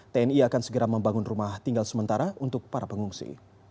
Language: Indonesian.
tni akan segera membangun rumah tinggal sementara untuk para pengungsi